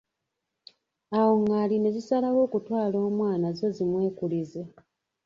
Awo Ngaali ne zisalawo okutwala omwana zzo zimwekulize.